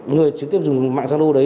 người trực tiếp dùng mạng zano đấy